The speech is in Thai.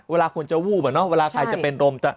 เวลาคนจะวูบอะเนาะเวลาใครจะเป็นลม